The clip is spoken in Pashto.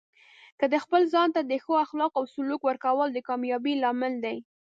د خپل ځان ته د ښه اخلاقو او سلوک ورکول د کامیابۍ لامل دی.